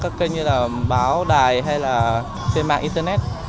các kênh như là báo đài hay là trên mạng internet